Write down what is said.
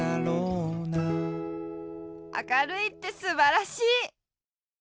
あかるいってすばらしい！